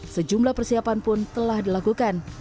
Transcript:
sejumlah persiapan pun telah dilakukan